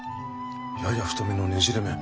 やや太めのねじれ麺。